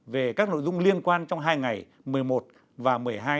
về các nội dung liên quan trong hai ngày một mươi một và một mươi hai